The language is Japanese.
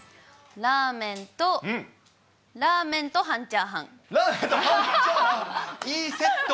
ラーメンと、ラーメンと半チャーハン、いいセット。